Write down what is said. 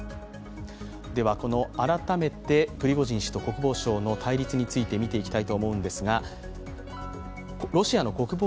この改めて、プリゴジン氏と国防省の対立について見ていきます。